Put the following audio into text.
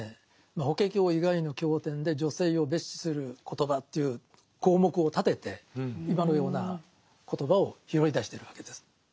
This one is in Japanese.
「法華経」以外の経典で女性を蔑視する言葉という項目を立てて今のような言葉を拾い出してるわけです。